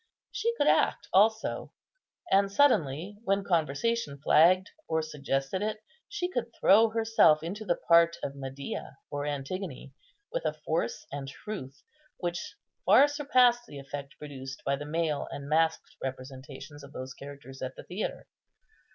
She could act also; and suddenly, when conversation flagged or suggested it, she could throw herself into the part of Medea or Antigone, with a force and truth which far surpassed the effect produced by the male and masked representations of those characters at the theatre.